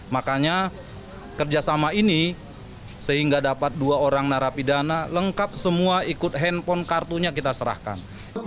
makanya kerjasama ini sehingga dapat dua orang narapidana lengkap semua ikut handphone kartunya kita serahkan